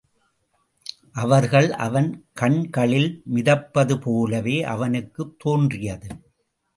அவர்கள் அவன் கண்களில் மிதப்பதுபோலவே அவனுக்குத் தோன்றியது.